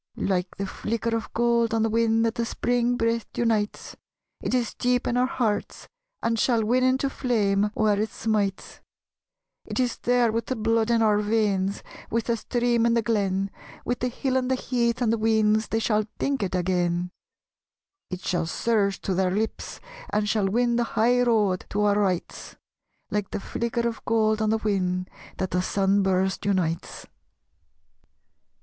Like the flicker of gold on the whin That the Spring breath unites, It is deep in our hearts, and shall win Into flame where it smites: It is there with the blood in our veins, With the stream in the glen, With the hill and the heath and the weans They shall think it again; It shall surge to their lips and shall win The high road to our rights Like the flicker of gold on the whin That the sun burst unites.